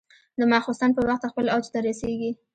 د ماخوستن په وخت خپل اوج ته رسېږي.